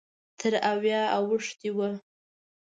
تر اویاوو اوښتی و.